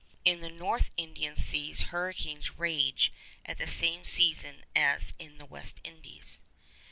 In the North Indian seas hurricanes rage at the same season as in the West Indies.